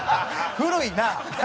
古いな。